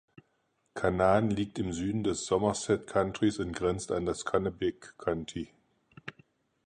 Canaan liegt im Süden des Somerset Countys und grenzt an das Kennebec County.